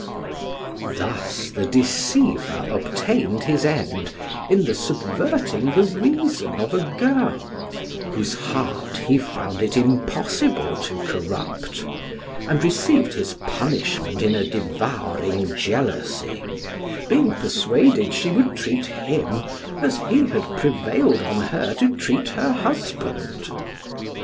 Thus the deceiver obtained his end in the subverting the reason of a girl; whose heart he found it impossible to corrupt, and received his punishment in a devouring jealousy, being persuaded she would treat him as he had prevailed on her to treat her husband.